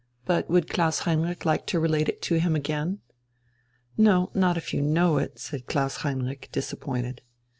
But would Klaus Heinrich like to relate it to him again?... "No, not if you know it," said Klaus Heinrich, disappointed.